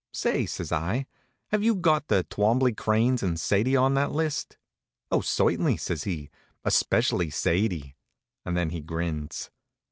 "Say," says I, "have you got the Twombley Cranes and Sadie on that list?" "Oh, certainly," says he, "especially Sadie." And then he grins.